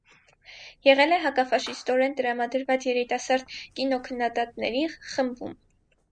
Եղել է հակաֆաշիստորեն տրամադրված երիտասարդ կինոքննադատների խմբում։